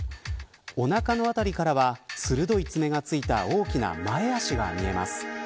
おなかの辺りからは鋭い爪がついた大きな前足が見えます。